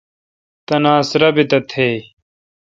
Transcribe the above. تناسہ رابط تھیں ۔